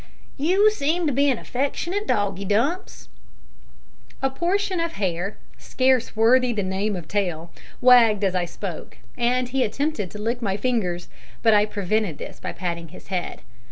"You seem to be an affectionate doggie, Dumps." A portion of hair scarce worthy the name of tail wagged as I spoke, and he attempted to lick my fingers, but I prevented this by patting his head.